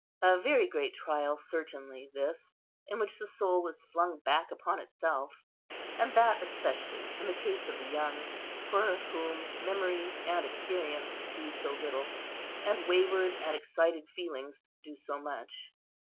A very great trial certainly this, in which the soul is flung back upon itself; and that especially in the case of the young, for whom memory and experience do so little, and wayward and excited feelings do so much.